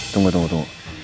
tunggu tunggu tunggu